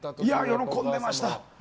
喜んでいました。